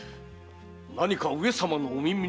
何か上様のお耳に？